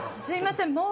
すいません。